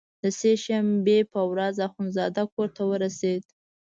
د سې شنبې په ورځ اخندزاده کورته ورسېد.